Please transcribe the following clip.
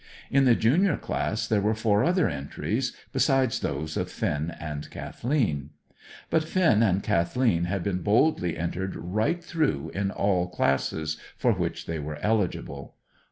In the junior class there were four other entries, besides those of Finn and Kathleen. But Finn and Kathleen had been boldly entered right through, in all classes for which they were eligible.